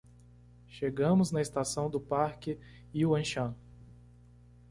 Chegamos na estação do parque Yuanshan